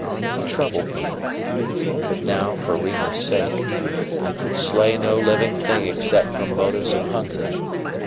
He troubled me; but now, for Rima's sake, I could slay no living thing except from motives of hunger.